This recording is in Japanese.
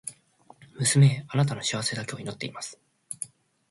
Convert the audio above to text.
娘へ、貴女の幸せだけを祈っています。